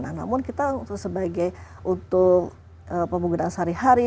nah namun kita sebagai untuk pemungutan sehari hari